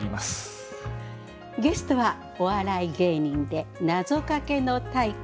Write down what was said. ゲストはお笑い芸人でなぞかけの大家